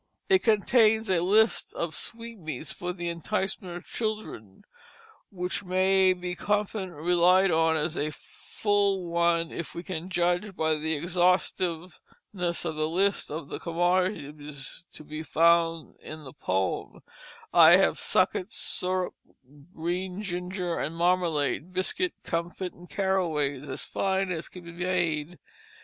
It contains a list of sweetmeats for the enticement of children which may be confidently relied on as a full one if we can judge by the exhaustiveness of the lists of other commodities found in the poem: "I have Sucket, Surrip, Grene Ginger, and Marmalade, Bisket, Cumfet, and Carraways as fine as can be made."